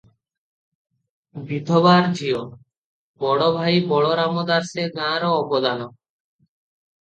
ବିଧବାର ଝିଅ, ବଡ଼ଭାଇ ବଳରାମ ଦାସେ ଗାଁର ଅବଧାନ ।